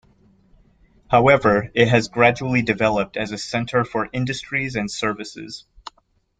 However, it has gradually developed as a centre for industries and services.